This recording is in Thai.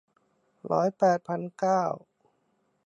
ร้อยแปดพันเก้า